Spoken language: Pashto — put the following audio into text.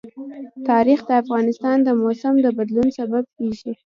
تاریخ د افغانستان د موسم د بدلون سبب کېږي.